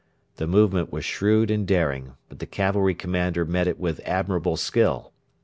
The movement was shrewd and daring, but the cavalry commander met it with admirable skill.